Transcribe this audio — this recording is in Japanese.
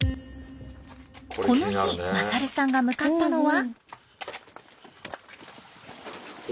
この日勝さんが向かったのは。